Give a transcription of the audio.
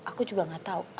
aku juga gak tahu